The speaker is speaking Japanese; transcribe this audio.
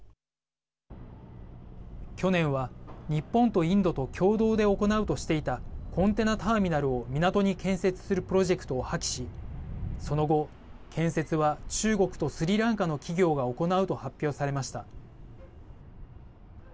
去年は日本とインドと共同で行うとしていたコンテナターミナルを港に建設するプロジェクトを破棄しその後、建設は中国とスリランカの企業が行うと発表されました。